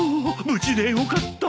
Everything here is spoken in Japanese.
無事でよかった。